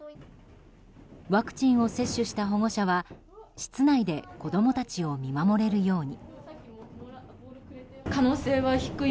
ワクチンを接種した保護者は室内で子供たちを見守れるように。